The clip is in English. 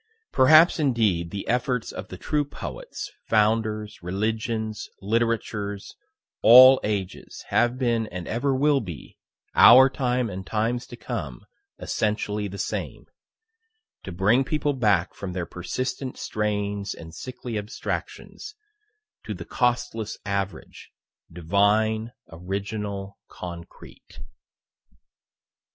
Perhaps indeed the efforts of the true poets, founders, religions, literatures, all ages, have been, and ever will be, our time and times to come, essentially the same to bring people back from their persistent strayings and sickly abstractions, to the costless average, divine, original concrete.